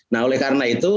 nah oleh karena itu